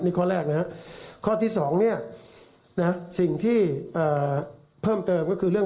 นี่ข้อแรกนะครับข้อที่๒เนี่ยนะสิ่งที่เพิ่มเติมก็คือเรื่อง